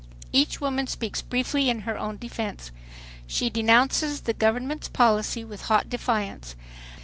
Each woman speaks briefly in her own defense. She denounces the government's policy with hot defiance.